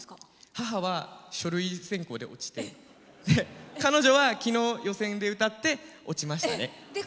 母は書類選考で落ちて彼女は昨日予選で歌って落ちましたね。